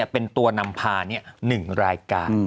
เป็นตัวนำพา๑รายการ